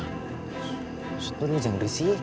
masa itu lu jangan risik